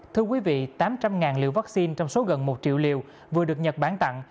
thưa quý vị tám trăm linh liều vaccine trong số gần một triệu liều vừa được nhật bản tặng